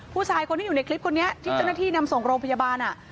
ผู้ชายคนที่อยู่ในคลิปคนนี้ที่เจ้าหน้าที่นำส่งโรงพยาบาล